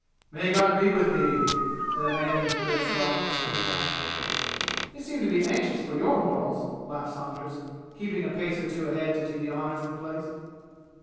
"May God be with thee!" said a man in the third stall as King passed. "They seem to be anxious for your morals!" laughed Saunders, keeping a pace or two ahead to do the honors of the place.